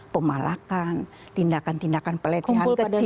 pemalakan tindakan tindakan pelecehan kecil